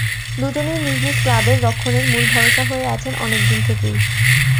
দুজনই নিজ নিজ ক্লাবের রক্ষণের মূল ভরসা হয়ে আছেন অনেক দিন থেকেই।